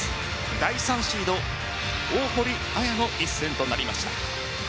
第３シード・大堀彩の一戦となりました。